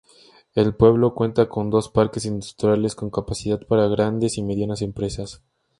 El pueblo cuenta con dos parques industriales con capacidad para grandes y medianas empresas.